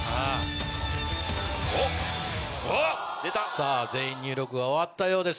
さぁ全員入力が終わったようです。